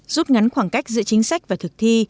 rút ngắn khoảng cách giữa chính sách và thực thi